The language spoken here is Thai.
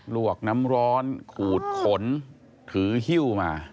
วกน้ำร้อนขูดขนถือฮิ้วมา